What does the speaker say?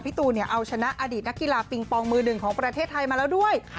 ตูนเอาชนะอดีตนักกีฬาปิงปองมือหนึ่งของประเทศไทยมาแล้วด้วย